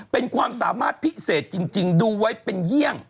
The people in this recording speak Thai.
เป็นความสามารถพิเศษจริงดูไว้เป็นเยี่ยง